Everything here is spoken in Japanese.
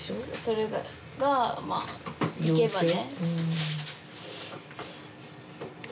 それがいけばね。